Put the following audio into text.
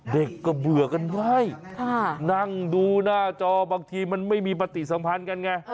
เด็กก็เบื่อกันไหว้นั่งดูหน้าจอบางทีมันไม่มีปฏิสัมพันธ์กันไง